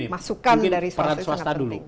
masukkan dari swasta itu sangat penting